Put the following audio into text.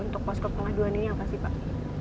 untuk posko pengaduan ini apa sih pak